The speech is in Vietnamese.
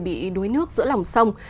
bị núi nước giữa lòng sông